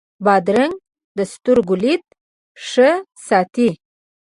بادرنګ د سترګو لید ښه ساتي.